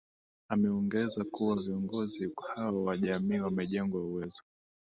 Ameongeza kuwa viongozi hao wa jamii wamejengewa uwezo